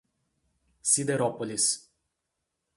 Siderópolis